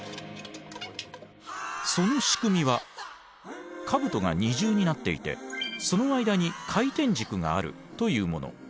その仕組みは兜が二重になっていてその間に回転軸があるというもの。